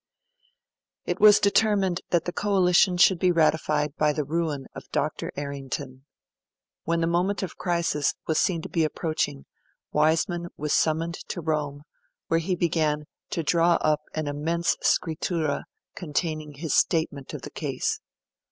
It was determined that the coalition should be ratified by the ruin of Dr. Errington. When the moment of crisis was seen to be approaching, Wiseman was summoned to Rome, where he began to draw up an immense scrittura containing his statement of the case.